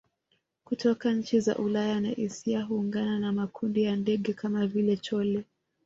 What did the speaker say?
kutoka nchi za Ulaya na Asia huungana na makundi ya ndege kama vile chole